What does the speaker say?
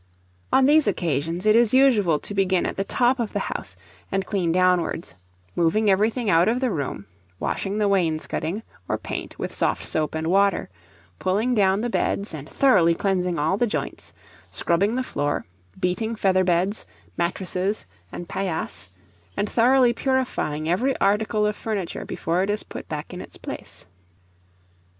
On these occasions it is usual to begin at the top of the house and clean downwards; moving everything out of the room; washing the wainscoting or paint with soft soap and water; pulling down the beds and thoroughly cleansing all the joints; "scrubbing" the floor; beating feather beds, mattress, and paillasse, and thoroughly purifying every article of furniture before it is put back in its place.